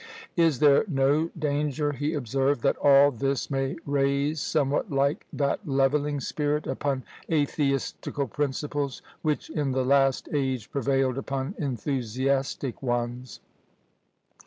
"Is there no danger," he observed, "that all this may raise somewhat like that levelling spirit, upon atheistical principles, which in the last age prevailed upon enthusiastic ones?